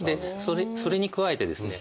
それに加えてですね